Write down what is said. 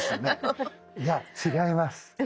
いや違います。